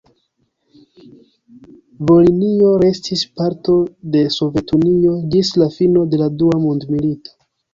Volinio restis parto de Sovetunio ĝis la fino de la Dua Mondmilito.